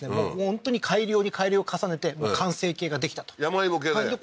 本当に改良に改良を重ねて完成形ができたと山芋系で？